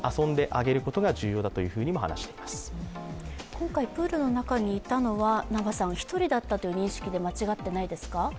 今回、プールの中にいたのは１人だったという認識で間違ってないですか？